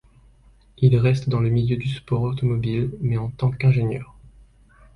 Il reste dans le milieu du sport automobile, mais en tant qu'ingénieur.